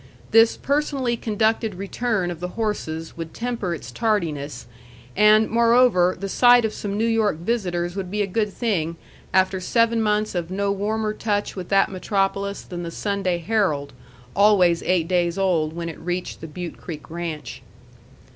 This personally conducted return of the horses would temper its tardiness, and, moreover, the sight of some New York visitors would be a good thing after seven months of no warmer touch with that metropolis than the Sunday HERALD, always eight days old when it reached the Butte Creek Ranch.